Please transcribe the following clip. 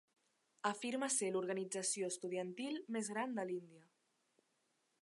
Afirma ser l'organització estudiantil més gran de l'Índia.